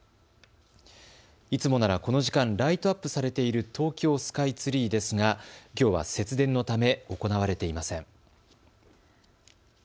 いつもならこの時間ライトアップされている東京スカイツリーですがきょうは節電のため行われていません。